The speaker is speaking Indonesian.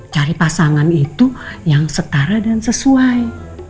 cari pasangan itu yang setara dan sesuai